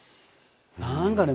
何かね